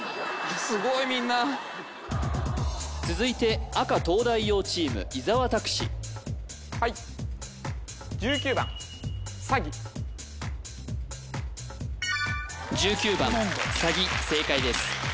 すごいみんな続いて赤・東大王チーム伊沢拓司１９番正解です